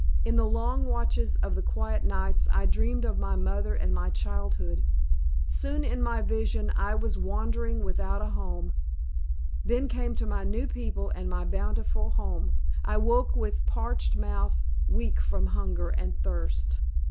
In the long watches of the quiet nights I dreamed of my mother and my childhood. Soon in my vision I was wandering without a home, then came to my new people and my bountiful home. I awoke with parched mouth, weak from hunger and thirst.